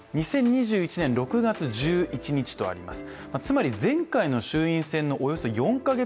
２０２１年６月１１日とあります。